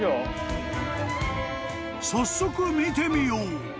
［早速見てみよう］